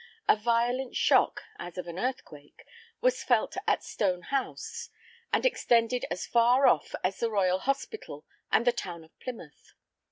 a violent shock, as of an earthquake, was felt at Stone house, and extended as far off as the Royal Hospital and the town of Plymouth.